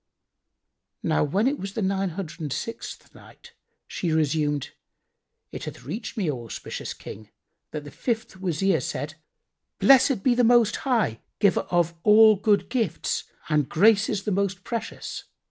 When it was the Nine Hundred and Sixth Night, She resumed, It hath reached me, O auspicious King, that the fifth Wazir said, "Blessed be the Most High, Giver of all good gifts and graces the most precious!